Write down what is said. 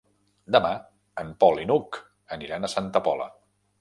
Demà en Pol i n'Hug aniran a Santa Pola.